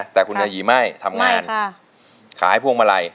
แต่คุณยายีไม่ทำงานขายพวงมาลัย